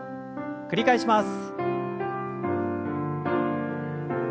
繰り返します。